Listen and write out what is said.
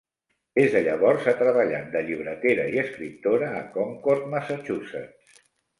Des de llavors, ha treballat de llibretera i escriptora a Concord, Massachusetts.